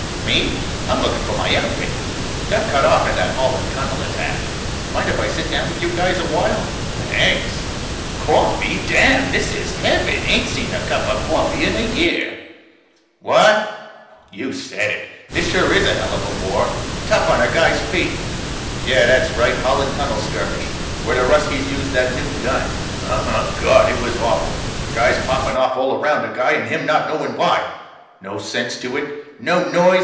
_ Me? I'm looking for my outfit. Got cut off in that Holland Tunnel attack. Mind if I sit down with you guys a while? Thanks. Coffee? Damn! This is heaven. Ain't seen a cup of coffee in a year. What? You said it! This sure is a hell of a war. Tough on a guy's feet. Yeah, that's right. Holland Tunnel skirmish. Where the Ruskies used that new gun. Uhuh. God! It was awful. Guys popping off all around a guy and him not knowing why. No sense to it. No noise.